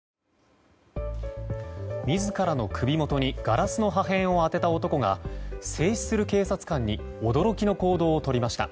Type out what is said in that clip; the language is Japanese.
自らの首元にガラスの破片を当てた男が制止する警察官に驚きの行動をとりました。